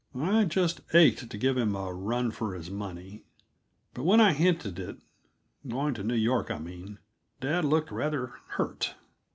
I just ached to give him a run for his money. But when I hinted it going to New York, I mean dad looked rather hurt.